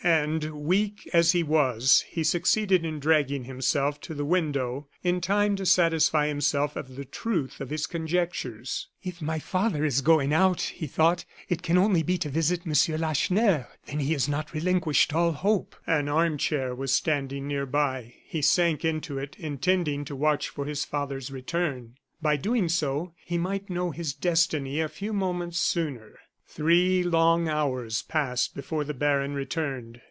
And weak as he was, he succeeded in dragging himself to the window in time to satisfy himself of the truth of his conjectures. "If my father is going out," he thought, "it can only be to visit Monsieur Lacheneur then he has not relinquished all hope." An arm chair was standing nearby; he sank into it, intending to watch for his father's return; by doing so, he might know his destiny a few moments sooner. Three long hours passed before the baron returned.